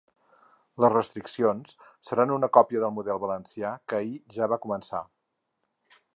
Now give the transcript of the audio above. Les restriccions seran una còpia del model valencià, que ahir ja va començar.